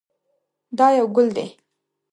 دا یو ګل دی.